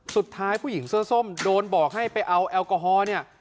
ผู้หญิงเสื้อส้มโดนบอกให้ไปเอาแอลกอฮอล์เนี่ย